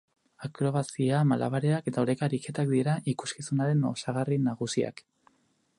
Akrobazia, malabareak eta oreka ariketak dira ikuskizunaren osagarri nagusiak.